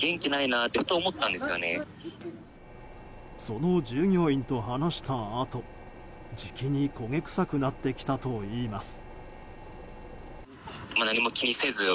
その従業員と話したあとじきに焦げ臭くなってきたといいます。